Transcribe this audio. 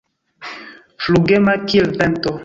Flugema kiel vento.